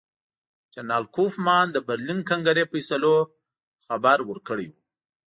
جنرال کوفمان د برلین کنګرې فیصلو خبر ورکړی وو.